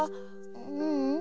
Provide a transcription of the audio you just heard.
ううん。